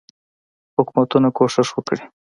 حکومتونه کوښښ وکړي.